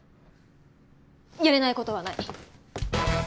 やれないことはない。